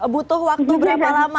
butuh waktu berapa lama